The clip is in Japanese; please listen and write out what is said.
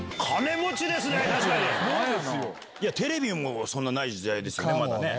テレビもそんなない時代ですよねまだね。